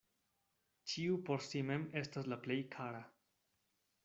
Ĉiu por si mem estas la plej kara.